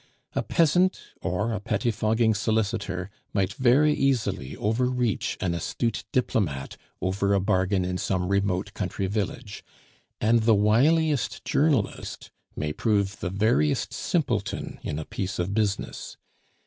A peasant or a pettifogging solicitor might very easily overreach an astute diplomate over a bargain in some remote country village; and the wiliest journalist may prove the veriest simpleton in a piece of business.